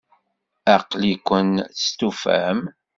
Aql-iken testufam?